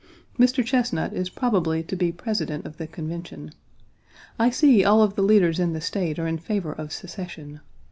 Mr. Chesnut is probably to be President of the Convention. I see all of the leaders in the State are in favor of secession.